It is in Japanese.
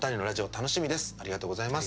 ありがとうございます。